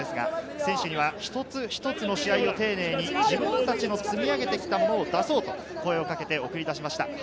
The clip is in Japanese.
選手には一つ一つの試合を丁寧に、自分達の積み上げてきたものを出そうと声をかけて送り出しました。